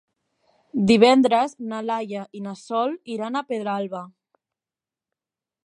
Divendres na Laia i na Sol iran a Pedralba.